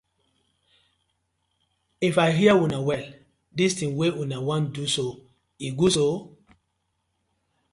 If I hear una well, dis ting wey una wan do so e good so.